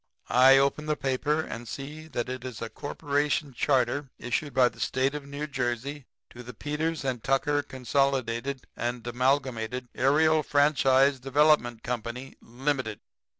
"I open the paper and see that it is a corporation charter issued by the State of New Jersey to 'The Peters & Tucker Consolidated and Amalgamated Aerial Franchise Development Company, Limited.'